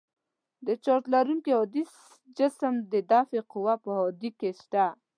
د چارج لرونکي هادي جسم د دافعې قوه په هادې کې شته.